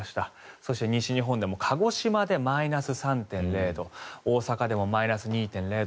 そして、西日本でも鹿児島でマイナス３．０度大阪でもマイナス２．０度。